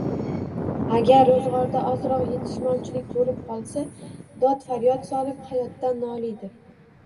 Agar ro‘zg‘orda ozroq yetishmovchilik bo‘lib qolsa, dod-faryod solib hayotdan noliydi.